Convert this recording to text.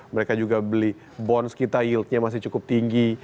mereka juga beli bonds kita yieldnya masih cukup tinggi